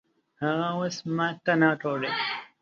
هغه اوس ماته نه ګوري